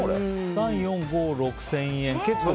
３、４、５、６０００円。